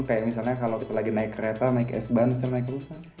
kayak misalnya kalau lagi naik kereta naik s bahn misalnya naik kerusa